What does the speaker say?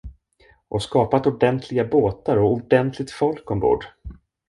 Och skapat ordentliga båtar och ordentligt folk ombord!